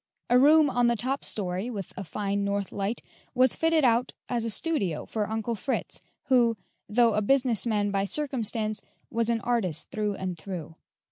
A room in the top story, with a fine north light, was fitted up as a studio for Uncle Fritz, who, though a business man by circumstance, was an artist through and through.